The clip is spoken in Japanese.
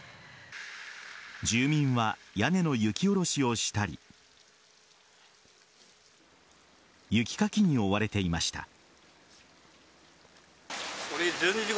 住民は屋根の雪下ろしをしたり雪かきに追われていました。